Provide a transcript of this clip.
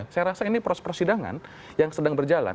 saya rasa ini proses proses sidangan yang sedang berjalan